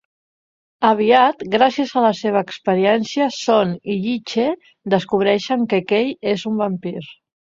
Aviat, gràcies a la seva experiència, Son i Yi-Che descobreixen que Kei és un vampir.